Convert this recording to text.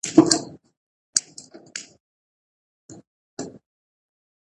مور د کورنۍ د خوب او آرام وخت تنظیموي.